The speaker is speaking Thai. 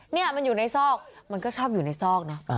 นี่มันอยู่ในซอกมันก็ชอบอยู่ในซอกนะ